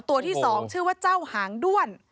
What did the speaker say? ตัวที่๒ชื่อว่าเจ้าหางด้วน